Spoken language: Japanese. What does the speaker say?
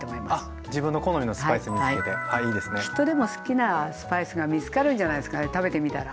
きっとでも好きなスパイスが見つかるんじゃないですかね食べてみたら。